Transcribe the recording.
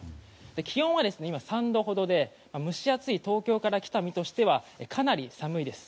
気温は今３度ほどで蒸し暑い東京から来た身としてはかなり寒いです。